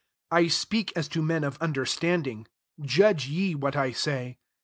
15 I speak as to men of understand ing: judge ye what I say.